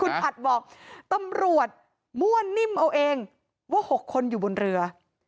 คุณอัดบอกตำรวจมั่วนิ่มเอาเองว่า๖คนอยู่บนเรือ